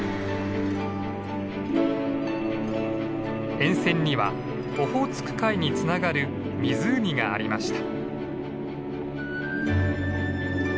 沿線にはオホーツク海につながる湖がありました。